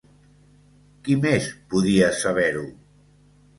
Qui més podia saber-ho?